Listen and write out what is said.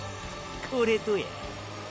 これどや？